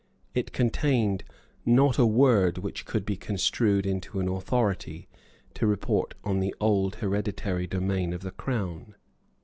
It contained not a word which could be construed into an authority to report on the old hereditary domain of the Crown.